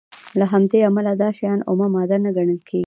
له همدې امله دا شیان اومه ماده نه ګڼل کیږي.